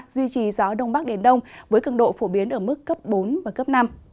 duy trì gió đông bắc đến đông với cường độ phổ biến ở mức cấp bốn năm